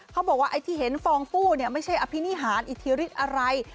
เขาบอกว่าไอ้ที่เห็นฟองฟู้เนี่ยไม่ใช่อภินิหารออิทธิฤทธิ์อะไร